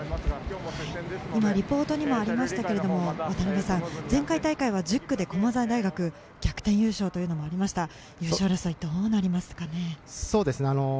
今、リポートにもありましたけれども、渡辺さん、前回大会は１０区で駒澤大学、逆転優勝というのもありました。